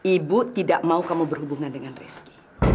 ibu tidak mau kamu berhubungan dengan rizki